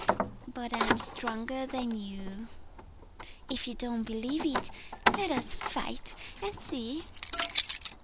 But I'm stronger than you: if you don't believe it, let us fight and see."